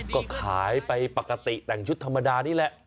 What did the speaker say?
ก็ขายไปปกติแต่งชุดธรรมดานี่แหละ